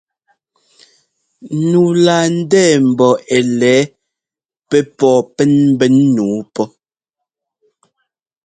Nu laa ndɛɛ̀̀ mbɔ ɛ́ lɛ̌ɛ pɛ́ pɔɔ pɛn ḿbɛn nǔu pɔ́ !